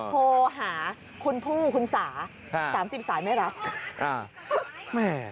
โทรหาคุณผู้คุณสา๓๐สายไม่รับ